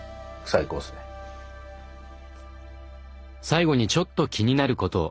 最後にちょっと気になることを。